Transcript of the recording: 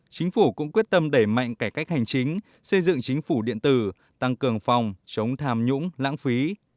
chính phủ cũng quyết tâm đẩy mạnh cải cách hành chính xây dựng chính phủ điện tử tăng cường phòng chống tham nhũng lãng phí